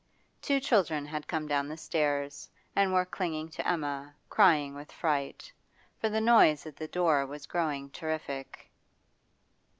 Two children had come down the stairs, and were clinging to Emma, crying with fright. For the noise at the door was growing terrific.